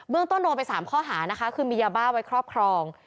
เบื้องต้นโดไปสามข้อหานะคะคือมียาบ้าไว้ครอบครอง